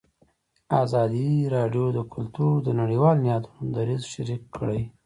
ازادي راډیو د کلتور د نړیوالو نهادونو دریځ شریک کړی.